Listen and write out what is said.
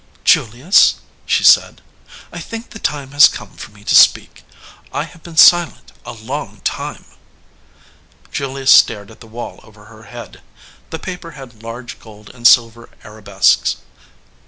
"Julius," she said, "I think the time has come for me to speak. I have been silent a long time." Julius stared at the wall over her head. The paper had large gold and silver arabesques.